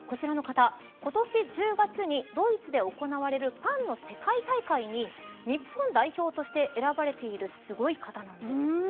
こちらの方、今年１０月にドイツで行われるパンの世界大会に日本代表として選ばれているすごい方なんです。